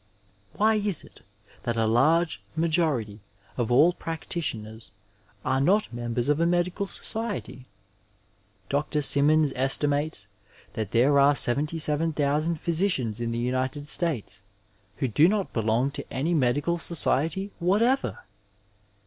Why is it that a large majority of all practitioners are not members of a medical society ? Dr. Sinmions estimates that there are 77,000 physicians in tiiie United States who do not belong to any medical society whatever